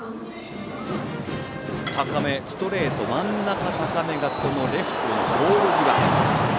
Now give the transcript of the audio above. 高めのストレート、真ん中高めがレフトのポール際。